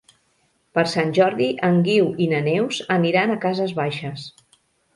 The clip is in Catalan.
Per Sant Jordi en Guiu i na Neus aniran a Cases Baixes.